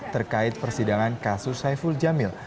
terkait persidangan kasus saiful jamil